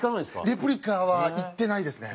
レプリカはいってないですね。